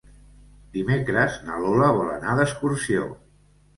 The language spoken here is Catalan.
Dimecres na Lola vol anar d'excursió.